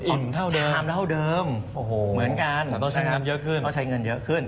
อิ่มเท่าเดิมเหมือนกันจะต้องใช้เงินเยอะขึ้น